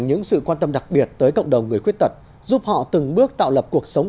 những sự quan tâm đặc biệt tới cộng đồng người khuyết tật giúp họ từng bước tạo lập cuộc sống